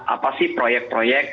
apa sih proyek proyek